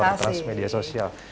di kantor transmedia sosial